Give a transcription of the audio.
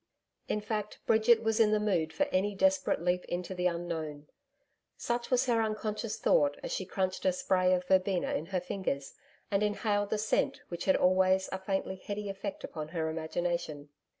In fact, Bridget was in the mood for any desperate leap into the Unknown. Such was her unconscious thought as she crunched a spray of verbena in her fingers and inhaled the scent which had always a faintly heady effect upon her imagination.